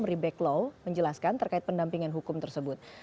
ribek law menjelaskan terkait pendampingan hukum tersebut